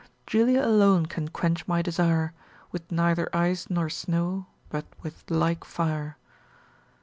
Julia alone can quench my desire, With neither ice nor snow, but with like fire.